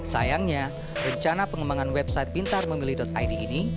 sayangnya rencana pengembangan website pintarmemilih id ini